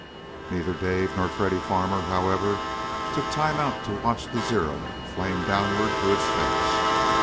Neither Dave, nor Freddy Farmer, however, took time out to watch the Zero flame downward to its finish.